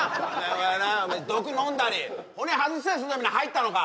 お前な毒飲んだり骨外したりするために入ったのか？